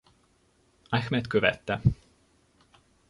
Ahmed követte.